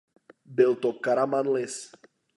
Byl to Karamanlis.